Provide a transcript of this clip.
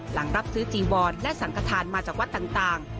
หลังรับซื้อจีวอนและสังขทานมาจากวัดต่าง